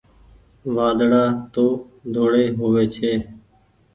وآڌڙآ تو ڌوڙي هووي ڇي۔